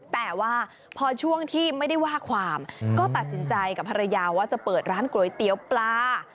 แต่ว่าพอช่วงที่ไม่ได้ว่าความก็ตัดสินใจกับภรรยาว่าจะเปิดร้านก๋วยเตี๋ยวปลา